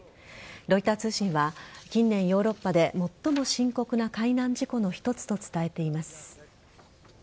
ロイター通信は近年、ヨーロッパで最も深刻な海難事故の一つと伝えています。